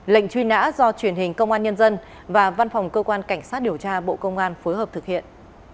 lệnh truy nã do truyền hình công an nhân dân và văn phòng cơ quan cảnh sát điều tra bộ công an phối hợp thực hiện